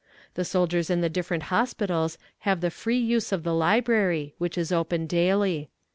The soldiers in the different hospitals have the free use of the library, which is open daily.